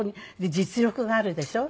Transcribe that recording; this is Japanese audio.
実力があるでしょ？